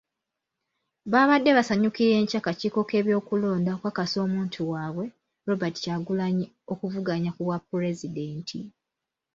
Baabade basanyukira ekya kakiiko k'ebyokulonda okukakasa omuntu waabwe, Robert Kyagulanyi okuvuganya ku bwapulezidenti